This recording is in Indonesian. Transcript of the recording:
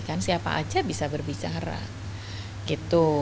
kan siapa aja bisa berbicara gitu